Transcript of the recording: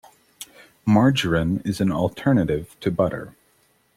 Margarine is an alternative to butter.